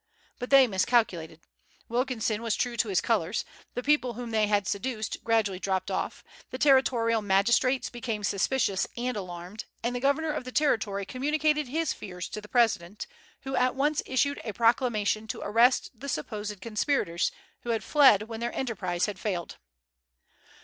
But they miscalculated: Wilkinson was true to his colors; the people whom they had seduced gradually dropped off; the territorial magistrates became suspicious and alarmed, and the governor of the Territory communicated his fears to the President, who at once issued a proclamation to arrest the supposed conspirators, who had fled when their enterprise had failed.